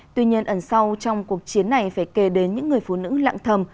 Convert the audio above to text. tuy nhiên ẩn sau trong cuộc chiến này phải kề đến những người phụ nữ lạng thầm